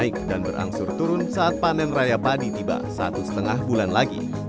naik dan berangsur turun saat panen raya padi tiba satu setengah bulan lagi